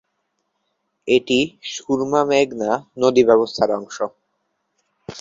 এটি সুরমা-মেঘনা নদী ব্যবস্থার অংশ।